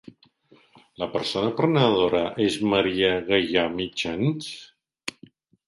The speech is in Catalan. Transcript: La persona prenedora és Maria Gaia Mitjans?